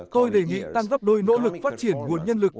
tôi đề nghị tăng gấp đôi nỗ lực phát triển nguồn nhân lực